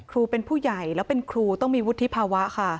เป็นผู้ใหญ่แล้วเป็นครูต้องมีวุฒิภาวะค่ะ